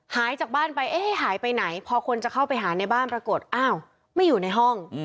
หายจากบ้านไปเอ๊ะหายไปไหนพอคนจะเข้าไปหาในบ้านปรากฏอ้าวไม่อยู่ในห้อง